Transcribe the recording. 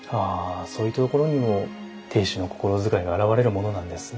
そういうところにも亭主の心遣いが表れるものなんですね。